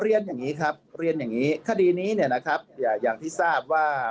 เรียนอย่างนี้ครับเรียนอย่างนี้คดีนี้อย่างที่ทราบว่า